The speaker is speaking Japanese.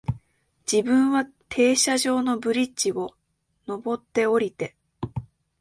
自分は停車場のブリッジを、上って、降りて、